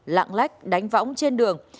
lạng lách đánh võng trên đường